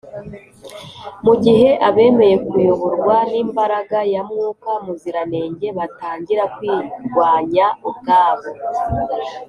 mu gihe abemeye kuyoborwa n’imbaraga ya mwuka muziranenge batangira kwirwanya ubwabo